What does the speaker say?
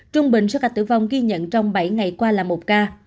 trung bình số ca tử vong ghi nhận trong bảy ngày qua là một ca